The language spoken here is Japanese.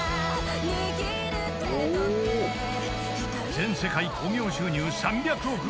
［全世界興行収入３００億超え］